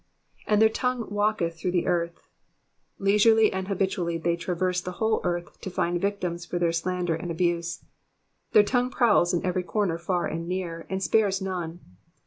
''''And their tongne walketh throfigh the earth,'''* Leisurely and habitually they traverse the whole world to find victims for their slander and abuse. Their tongue prowls in every corner far and near, and spares none.